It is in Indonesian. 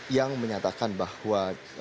yang menyatakan bahwa